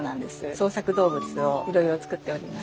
創作動物をいろいろ作っております。